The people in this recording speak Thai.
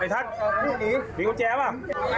ไอ้ทัศน์มีกระแจไหม